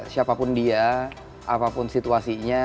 siapapun dia apapun situasinya